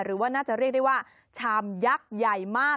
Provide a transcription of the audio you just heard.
หรือว่าน่าจะเรียกได้ว่าชามยักษ์ใหญ่มาก